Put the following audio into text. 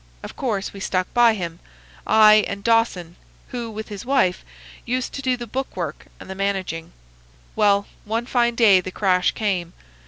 Of course we stuck by him, I and Dawson, who, with his wife, used to do the book work and the managing. Well, one fine day the crash came.